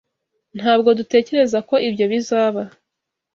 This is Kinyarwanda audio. Ntabwo dutekereza ko ibyo bizaba.